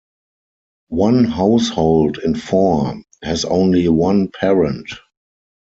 One household in four has only one parent.